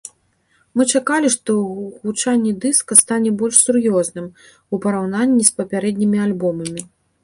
Мы чакалі, што гучанне дыска стане больш сур'ёзным, у параўнанні з папярэднімі альбомамі.